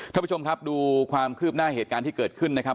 ท่านผู้ชมครับดูความคืบหน้าเหตุการณ์ที่เกิดขึ้นนะครับ